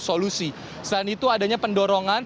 solusi selain itu adanya pendorongan